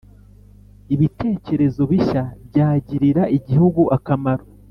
ibitekerezo bishya byagirira Igihugu akamaro